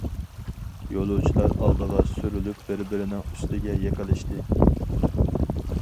يولۇچىلار ئالدىغا سۈرۈلۈپ بىر-بىرىنىڭ ئۈستىگە يىقىلىشتى.